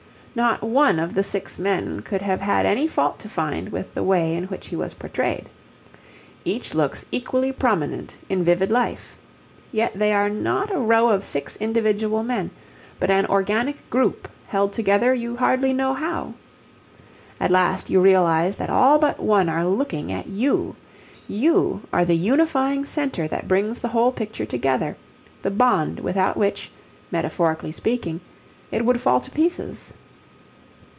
Not one of the six men could have had any fault to find with the way in which he was portrayed. Each looks equally prominent in vivid life. Yet they are not a row of six individual men, but an organic group held together you hardly know how. At last you realize that all but one are looking at you. You are the unifying centre that brings the whole picture together, the bond without which, metaphorically speaking, it would fall to pieces.